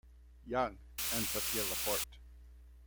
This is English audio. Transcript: Young and Sophie LaPorte.